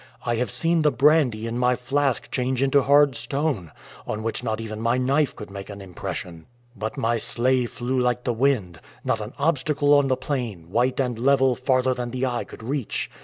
I have seen the brandy in my flask change into hard stone, on which not even my knife could make an impression. But my sleigh flew like the wind. Not an obstacle on the plain, white and level farther than the eye could reach!